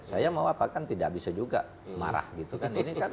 saya mau apa kan tidak bisa juga marah gitu kan